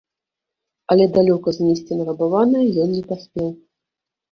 Але далёка знесці нарабаванае ён не паспеў.